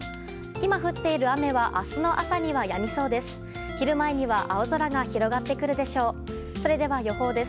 今降っている雨は明日の朝には、やみそうです。